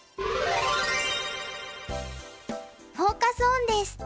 フォーカス・オンです。